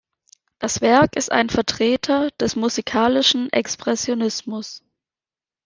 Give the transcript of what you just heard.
Das Werk ist ein Vertreter des musikalischen Expressionismus.